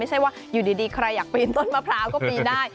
ไม่ใช่ว่าอยู่ดีใครอยากปีนต้นมะพร้าวก็ปีนได้